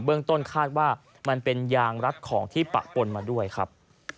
เรื่องต้นคาดว่ามันเป็นยางรัดของที่ปะปนมาด้วยครับ